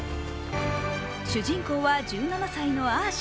主人公は１７歳のアーシャ。